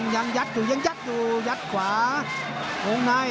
ยังยัดอยู่ยัดขวาิ่งในนิ่ม